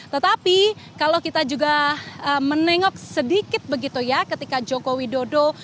tetapi kalau kita juga menengok sedikit begitu ya ketika joko widodo